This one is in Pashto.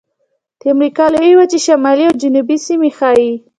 د امریکا لویې وچې شمالي او جنوبي سیمې ښيي.